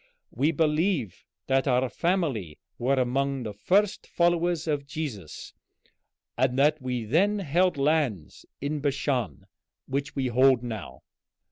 We believe that our family were among the first followers of Jesus, and that we then held lands in Bashan which we hold now.